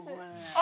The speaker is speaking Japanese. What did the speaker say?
あ！